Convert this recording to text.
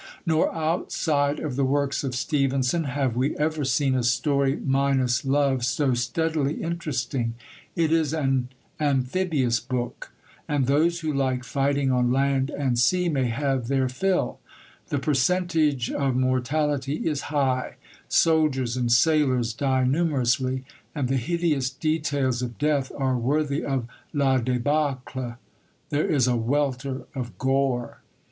Nor, outside of the works of Stevenson, have we ever seen a story minus love so steadily interesting. It is an amphibious book, and those who like fighting on land and sea may have their fill. The percentage of mortality is high; soldiers and sailors die numerously, and the hideous details of death are worthy of La Débâcle; there is a welter of gore.